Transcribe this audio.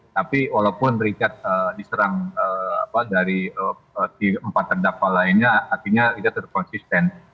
tapi walaupun richard diserang dari empat cerdakwa lainnya artinya richard terus konsisten